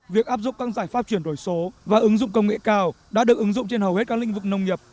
việc áp dụng các giải pháp chuyển đổi số và ứng dụng công nghệ cao đã được ứng dụng trên hầu hết các lĩnh vực nông nghiệp